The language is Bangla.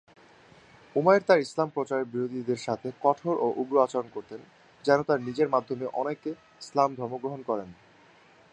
উমাইর তার ইসলাম প্রচারের বিরোধীদের সাথে কঠোর ও উগ্র আচরণ করতেন যেন তার নিজের মাধ্যমে অনেকে ইসলাম ধর্ম গ্রহণ করে।